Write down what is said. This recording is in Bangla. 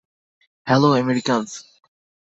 Hello, Americans.